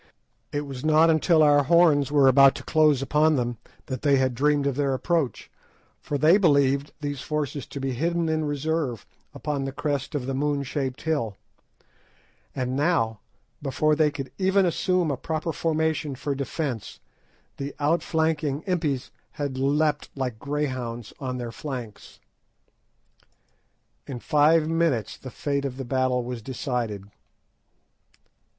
It was not until our horns were about to close upon them that they had dreamed of their approach, for they believed these forces to be hidden in reserve upon the crest of the moon shaped hill. And now, before they could even assume a proper formation for defence, the outflanking Impis had leapt, like greyhounds, on their flanks. In five minutes the fate of the battle was decided.